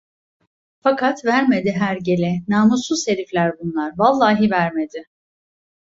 Fakat vermedi hergele! Namussuz herifler bunlar! Vallahi vermedi.